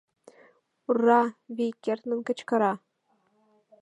— Ур-ра! — вий кертмын кычкыра.